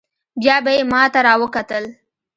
بيا به يې ما ته راوکتل.